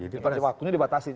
jadi pada saat waktunya dibatasi